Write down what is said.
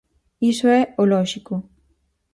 ¡Iso é o lóxico!